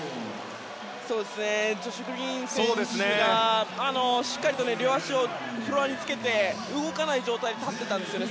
ジョシュ・グリーン選手がしっかりと両足をフロアにつけて動かない状態で立っていたんですね。